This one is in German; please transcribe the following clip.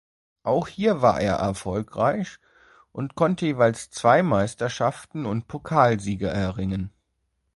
Auch hier war er erfolgreich und konnte jeweils zwei Meisterschaften und Pokalsiege erringen.